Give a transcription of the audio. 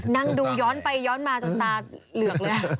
นั่งดูย้อนไปย้อนมาจนตาเหลือกเลย